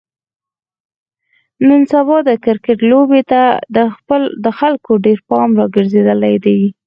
نن سبا د کرکټ لوبې ته د خلکو ډېر پام راگرځېدلی دی.